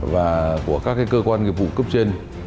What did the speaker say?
và của các cơ quan nghiệp vụ cấp trên